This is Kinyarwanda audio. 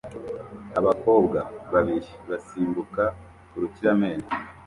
Abakobwa babiri basimbuka urukiramende